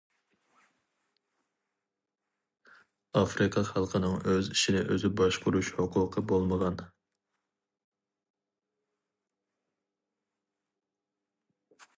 ئافرىقا خەلقىنىڭ ئۆز ئىشىنى ئۆزى باشقۇرۇش ھوقۇقى بولمىغان.